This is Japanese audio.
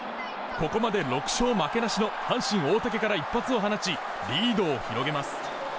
ここまで６勝負けなしの阪神、大竹から一発を放ちリードを広げます。